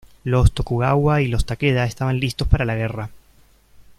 Los Tokugawa y los Takeda estaban listos para la guerra.